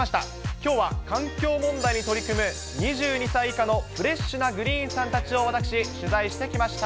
きょうは環境問題に取り組む２２歳以下のフレッシュなグリーンさんたちを私、取材してきました。